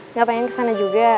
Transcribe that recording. nggak pengen kesana juga